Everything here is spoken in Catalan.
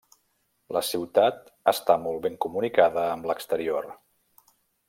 La ciutat està molt ben comunicada amb l'exterior.